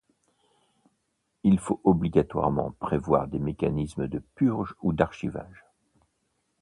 Il faut obligatoirement prévoir des mécanismes de purge ou d’archivage.